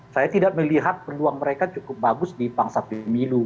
saya tidak melihat peluang mereka cukup bagus di pangsa pemilu